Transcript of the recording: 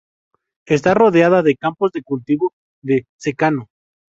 Está rodeada de campos de cultivo de secano.